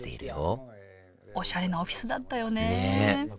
おしゃれなオフィスだったよねねえ